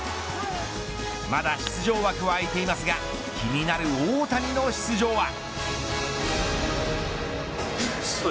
まだ出場枠は空いていますが気になる大谷の出場は。